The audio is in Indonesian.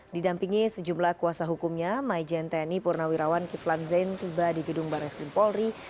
didampingi sejumlah kuasa hukumnya mai jenteni purnawirawan kiflan zain tiba di gedung barai skrim polri